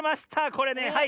これねはい。